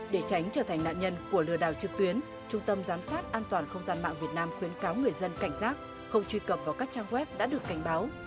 để tránh trở thành nạn nhân của lừa đảo trực tuyến trung tâm giám sát an toàn không gian mạng việt nam khuyến cáo người dân cảnh giác không truy cập vào các trang web đã được cảnh báo